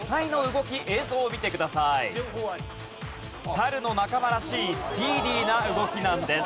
サルの仲間らしいスピーディーな動きなんです。